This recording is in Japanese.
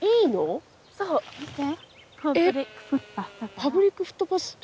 パブリック・フットパスって？